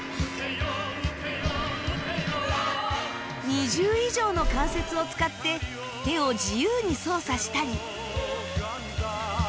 ２０以上の関節を使って手を自由に操作したり